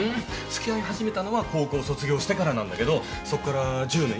付き合い始めたのは高校卒業してからなんだけどそっから１０年。